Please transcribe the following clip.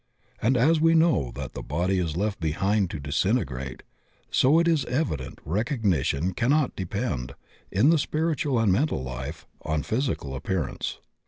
And as we know that the body is left behind to disintegrate, so, it is evident, recognition cannot depend, in the spiritual and mental life, on physical appearance.